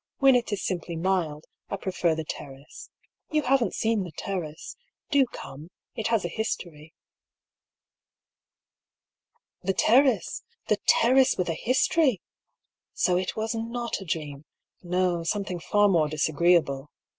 When it is simply mild, I prefer the terrace. You haven't seen the terrace. Do come, it has a history." The terrace! The terrace with a history! So it was not a dream ; no, something far more disagreeable.